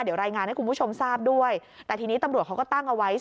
เดี๋ยวรายงานให้คุณผู้ชมทราบด้วยแต่ทีนี้ตำรวจเขาก็ตั้งเอาไว้